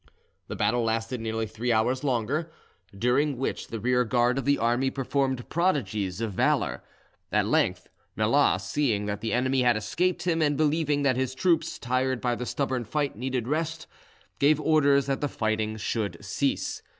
The battle lasted nearly three hours longer, during which the rearguard of the army performed prodigies of valour. At length Melas, seeing that the enemy had escaped him, and believing that his troops, tired by the stubborn fight, needed rest, gave orders that the fighting should cease.